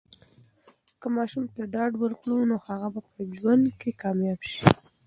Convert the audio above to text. که ماشوم ته ډاډ ورکړو، نو هغه به په ژوند کې کامیاب سي.